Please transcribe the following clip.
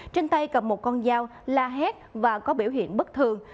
trên tay cầm một con dao la hét và có biểu hiện bất thường